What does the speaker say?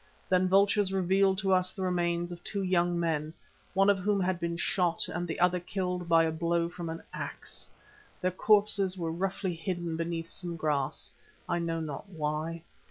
Then vultures revealed to us the remains of two young men, one of whom had been shot and the other killed by a blow from an axe. Their corpses were roughly hidden beneath some grass, I know not why.